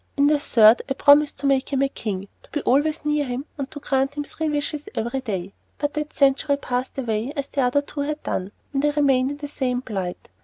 "In the third, I promised to make him a king, to be always near him, and to grant him three wishes every day; but that century passed away as the other two had done, and I remained in the same plight.